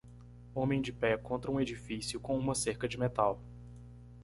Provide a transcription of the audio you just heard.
Homem de pé contra um edifício com uma cerca de metal.